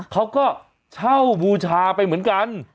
เขาก็เช่าบูชาไปเหมือนกัน